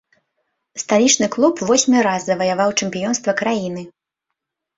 Сталічны клуб восьмы раз заваяваў чэмпіёнства краіны.